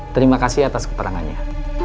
terima kasih atas keterangannya